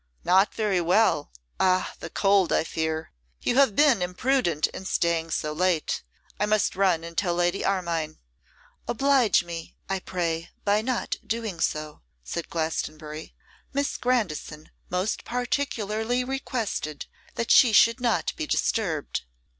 'Not very well: ah! the cold, I fear. You have been imprudent in staying so late. I must run and tell Lady Armine.' 'Oblige me, I pray, by not doing so,' said Glastonbury; 'Miss Grandison most particularly requested that she should not be disturbed.